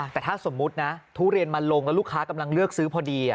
แต่ถ้าสมมุตินะทุเรียนมันลงแล้วลูกค้ากำลังเลือกซื้อพอดี